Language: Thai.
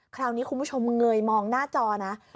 คราวนี้คุณผู้ชมเงยมองหน้าจอนะ